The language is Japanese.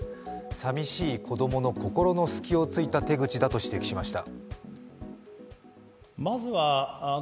寂しい子供の心の隙をついた手口だと指摘しました。